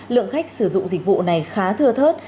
lượng khách sử dụng dịch vụ này khá thưa thớt